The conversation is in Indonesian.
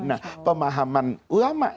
nah pemahaman ulama